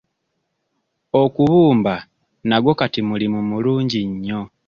Okubumba nagwo kati mulimu mulungi nnyo.